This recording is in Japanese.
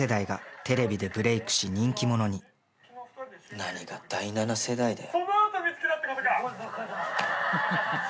何が第七世代だよ。